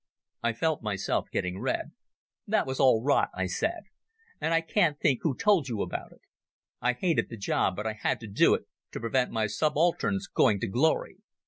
I felt myself getting red. "That was all rot," I said, "and I can't think who told you about it. I hated the job, but I had to do it to prevent my subalterns going to glory.